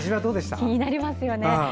気になりますよね。